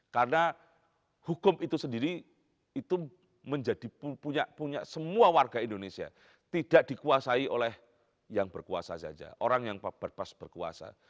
karena hukum itu sendiri itu menjadi punya semua warga indonesia tidak dikuasai oleh yang berkuasa saja orang yang berpas berkuasa